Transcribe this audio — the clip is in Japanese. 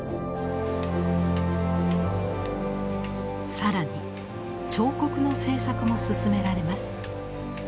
更に彫刻の制作も進められます。